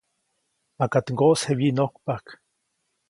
-Makaʼt ŋgoʼsje wyinojkpajk.-